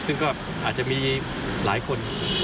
ซึ่งก็อาจจะมีหลายคน